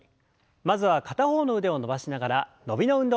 まずは片方の腕を伸ばしながら伸びの運動です。